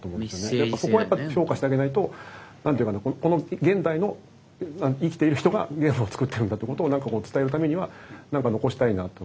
でそこはやっぱ評価してあげないと何ていうかなこの現代の生きている人がゲームを作ってるんだってことを何か伝えるためには何か残したいなあと。